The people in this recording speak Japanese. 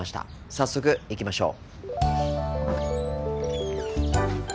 早速行きましょう。